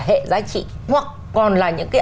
hệ giá trị hoặc còn là những cái